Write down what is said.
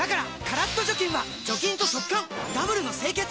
カラッと除菌は除菌と速乾ダブルの清潔！